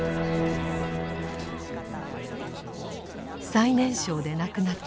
最年少で亡くなった一人